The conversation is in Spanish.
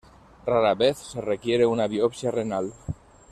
Rara vez se requiere una biopsia renal.